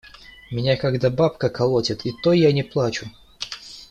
Меня когда бабка колотит, и то я не плачу!